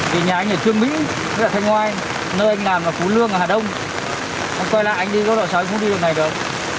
thì nhà anh ở trương mỹ nơi anh làm là phú lương hà đông anh quay lại anh đi cúc lộ sáu anh không đi đường này đâu